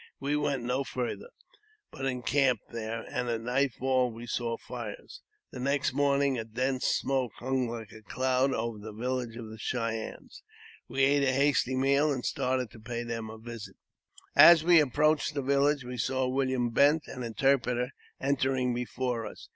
We went no farther, but encamped there, and at nightfall we saw fires. The next morning a dense smoke hung like a cloud over the •23 354 AUTOBIOGBAPHY OF village of the Cheyennes ; we ate a hasty meal, and started to, pay them a visit. As we approached the village we saw William Bent, an in terpreter, entering before us.